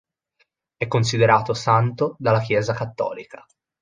È considerato santo dalla Chiesa cattolica.